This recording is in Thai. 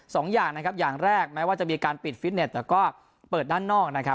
สองอย่างอย่างแรกไม่ว่าจะมีการปิดฟิตเน็ตแต่ก็เปิดด้านนอก